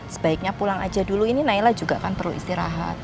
sebaiknya pulang aja dulu ini naila juga kan perlu istirahat